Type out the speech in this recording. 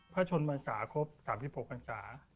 พระชนพรรษาครบ๓๖พันศา